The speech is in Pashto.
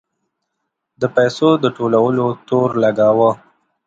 د پیسو د ټولولو تور لګاوه.